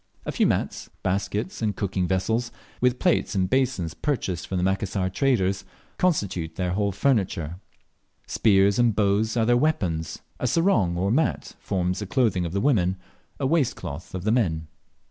A few mats, baskets, and cooking vessels, with plates and basins purchased from the Macassar traders, constitute their whole furniture; spears and bows are their weapons; a sarong or mat forms the clothing of the women, a waistcloth of the men.